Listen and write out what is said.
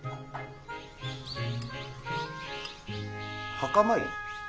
墓参り？